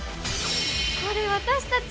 これ私たち？